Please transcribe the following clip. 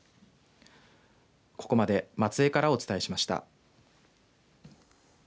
ここまで松江からお伝えしました。